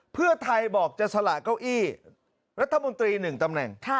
เพื่อไทยบอกจะสละเก้าอี้รัฐมนตรี๑ตำแหน่ง